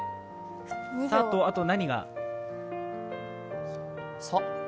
「さ」と、あと何が？